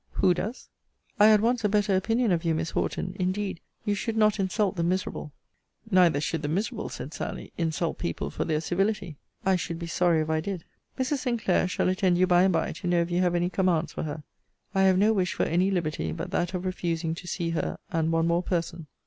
Who does? I had once a better opinion of you, Miss Horton! Indeed you should not insult the miserable. Neither should the miserable, said Sally, insult people for their civility. I should be sorry if I did. Mrs. Sinclair shall attend you by and by, to know if you have any commands for her. I have no wish for any liberty, but that of refusing to see her, and one more person.